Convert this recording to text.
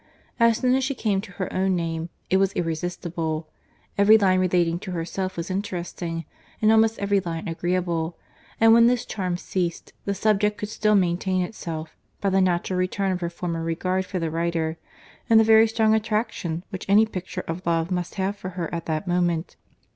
As soon as she came to her own name, it was irresistible; every line relating to herself was interesting, and almost every line agreeable; and when this charm ceased, the subject could still maintain itself, by the natural return of her former regard for the writer, and the very strong attraction which any picture of love must have for her at that moment.